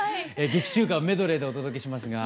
劇中歌をメドレーでお届けしますが。